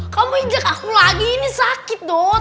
kamu injek aku lagi ini sakit dot